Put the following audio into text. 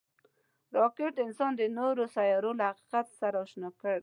راکټ انسان د نورو سیارو له حقیقت سره اشنا کړ